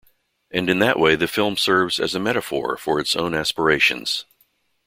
And in that way the film serves as a metaphor for its own aspirations.